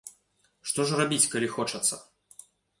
Што ж рабіць, калі хочацца?